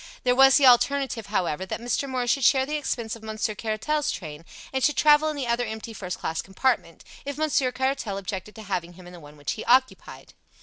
There was the alternative, however, that Mr. Moore should share the expense of Monsieur Caratal's train, and should travel in the other empty first class compartment, if Monsieur Caratal objected to having him in the one which he occupied.